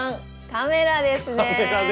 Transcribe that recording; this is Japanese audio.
カメラですね。